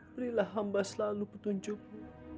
berilah hamba selalu petunjukmu